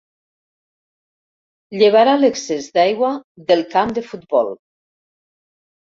Llevarà l'excés d'aigua del camp de futbol.